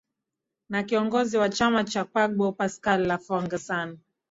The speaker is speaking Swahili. na kiongozi wa chama cha bagbo pascal lafangwesan